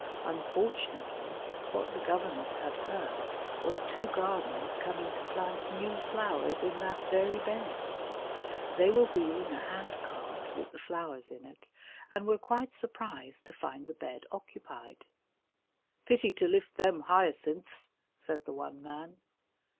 Unfortunately, what the governess had heard was two gardeners coming to plant new flowers in that very bed. They were wheeling a handcart with the flowers in it, and were quite surprised to find the bed occupied. "Pity to lift them hyacinths," said the one man.